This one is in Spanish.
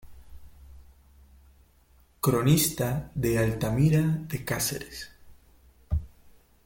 Cronista de Altamira de Cáceres.